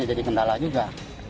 jadi kendala juga